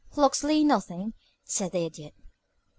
"Locksley nothing," said the Idiot.